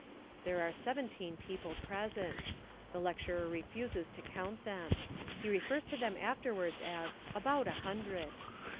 There are seventeen people present. The lecturer refuses to count them. He refers to them afterwards as "about a hundred."